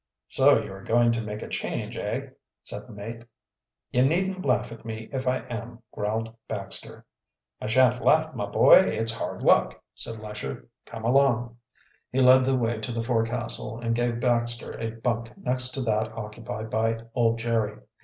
"So you are going to make a change, eh?" said the mate. "You needn't laugh at me, if I am," growled Baxter. "I shan't laugh, my boy. It's hard luck," said Lesher. "Come along." He led the way to the forecastle and gave Baxter a bunk next to that occupied by old Jerry.